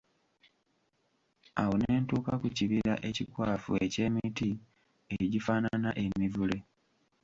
Awo ne ntuuka ku kibira ekikwafu eky'emiti egifaanana emivule.